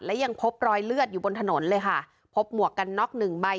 และยังพบรอยเลือดอยู่บนถนนเลยค่ะพบหมวกกันน็อกหนึ่งใบ